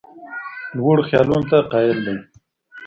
لوړو خیالونو ته قایل دی.